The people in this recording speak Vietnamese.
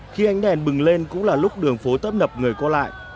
khi ánh đèn bừng lên cũng là lúc đường phố tấp nập người qua lại